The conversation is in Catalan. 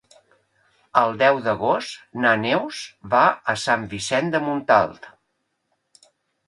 El deu d'agost na Neus va a Sant Vicenç de Montalt.